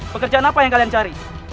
pekerjaan apa yang kalian cari